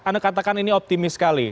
anda katakan ini optimis sekali